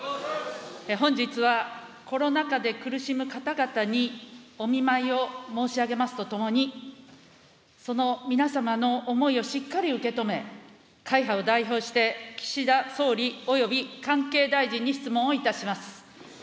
本日はコロナ禍で苦しむ方々にお見舞いを申し上げますとともに、その皆様の思いをしっかり受け止め、会派を代表して、岸田総理および関係大臣に質問をいたします。